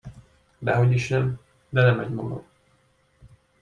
Dehogyisnem, de nem egymagam.